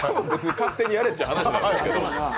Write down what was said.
勝手にやれっちゅー話なんですけど。